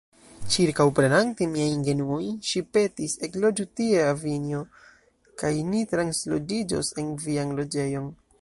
Ĉirkaŭprenante miajn genuojn, ŝi petis: „Ekloĝu tie, avinjo, kaj ni transloĝiĝos en vian loĝejon.